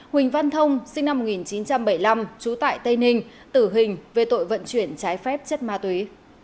huỳnh văn thông sinh năm một nghìn chín trăm bảy mươi năm trú tại tây ninh tử hình về tội vận chuyển trái phép chất ma túy